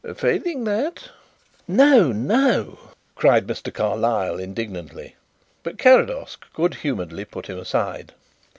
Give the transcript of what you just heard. Failing that " "No, no!" cried Mr. Carlyle indignantly, but Carrados good humouredly put him aside.